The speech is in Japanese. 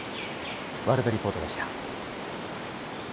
ワールドリポートでした。